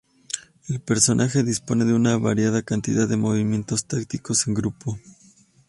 El personaje dispone de una variada cantidad de movimientos tácticos en grupo.